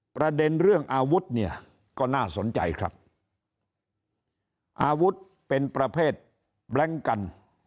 ประเด็นเรื่องอาวุธเนี่ยก็น่าสนใจครับอาวุธเป็นประเภทแบล็งกัน